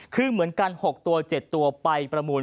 คือเหมือนกัน๖ตัว๗ตัวไปประมูล